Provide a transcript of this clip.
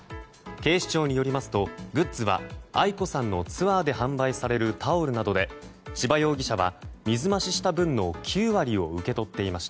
警視庁によりますとグッズはａｉｋｏさんのツアーで販売されるタオルなどで千葉容疑者は水増しした分の９割を受け取っていました。